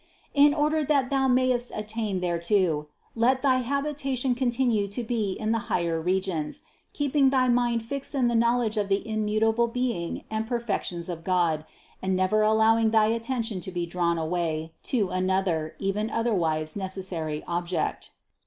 In order that thou mayest attain thereto, let thy habitation continue to be in the higher regions, keeping thy mind fixed in the knowledge of the immutable Be ing and perfections of God and never allowing thy at tention to be drawn away to another even otherwise necessary object.